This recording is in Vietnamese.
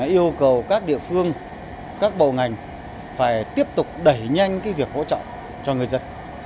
yêu cầu các địa phương các bầu ngành phải tiếp tục đẩy nhanh việc hỗ trợ cho người dân